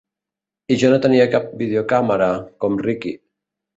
I jo no tenia cap videocàmera, com Ricky.